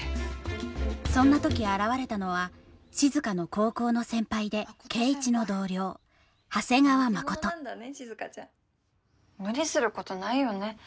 そんな時現れたのは静の高校の先輩で圭一の同僚長谷川真琴無理することないよね